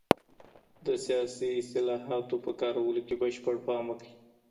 د سياسي اصطلاحاتو په کارولو کي بشپړ پام وکړئ.